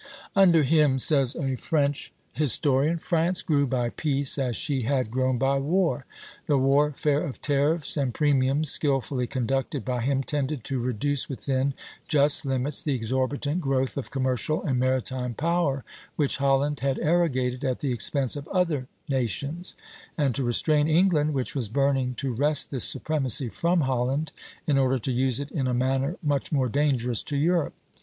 "Under him," says a French historian, "France grew by peace as she had grown by war.... The warfare of tariffs and premiums skilfully conducted by him tended to reduce within just limits the exorbitant growth of commercial and maritime power which Holland had arrogated at the expense of other nations; and to restrain England, which was burning to wrest this supremacy from Holland in order to use it in a manner much more dangerous to Europe.